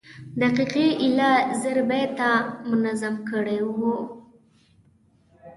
دقیقي ایله زر بیته منظوم کړي وو.